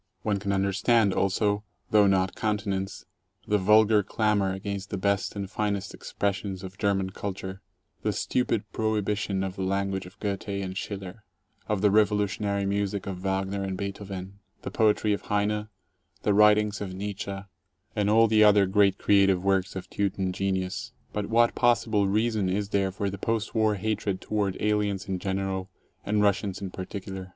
One can understand also, though not countenance, the vulgar clamor against the best and finest expressions of German culture, the stupid prohibition of the language of Goethe and Schiller, of the revolutionary music 14 of Wagner and Beethoven, the poetry of Heine, the writings of Nietzsche, and all the other great creative works of Teuton genius* But what possible reason is there for the post war hatred toward aliens in general and Russians in particular?